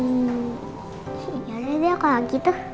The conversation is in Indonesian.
ya udah dia kalau gitu